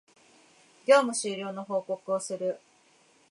業務終了の報告をする